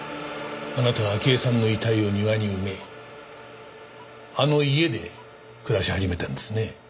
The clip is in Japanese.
あなたは明江さんの遺体を庭に埋めあの家で暮らし始めたんですね。